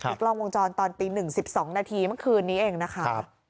มีกล้องวงจรตอนตี๑๑๒นาทีเมื่อคืนนี้เองนะคะ